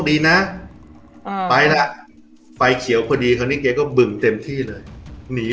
ดีนะอ่าไปแล้วไฟเขียวพอดีคราวนี้แกก็บึงเต็มที่เลยหนี